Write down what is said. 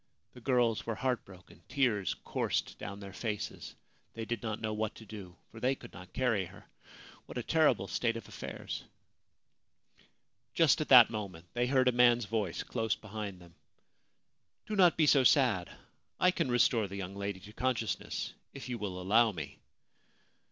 The girls were heartbroken. Tears coursed down their faces. They did not know what to do, for they could not carry her. What a terrible state of affairs ! Just at that moment they heard a man's voice close behind them :* Do not be so sad ! I can restore the young lady to consciousness if you will allow me.'